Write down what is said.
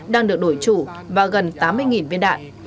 đang được đổi chủ và gần tám mươi viên đạn